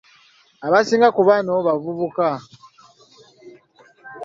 Abasinga ku bano bavubuka.